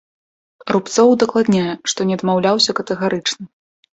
Рубцоў удакладняе, што не адмаўляўся катэгарычна.